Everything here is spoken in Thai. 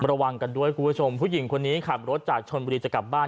ระวังกันด้วยคุณผู้ชมผู้หญิงคนนี้ขับรถจากชนบุรีจะกลับบ้าน